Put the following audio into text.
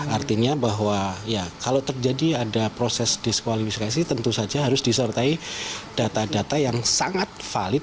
artinya bahwa ya kalau terjadi ada proses diskualifikasi tentu saja harus disertai data data yang sangat valid